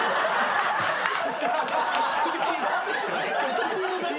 スピードだけ？